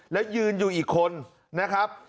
แล้วยืนอยู่อีกคนนะครับ